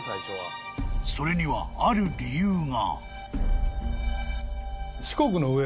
［それにはある理由が］